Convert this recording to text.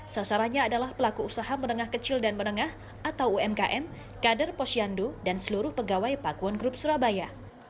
sasarannya adalah pelaku usaha menengah kecil dan menengah atau umkm kader posyandu dan seluruh pegawai pakuan grup surabaya